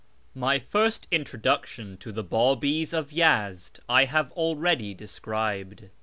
My first introduction to the Bubi's of Yezd I have already described.